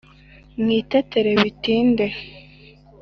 mwitetere bitinde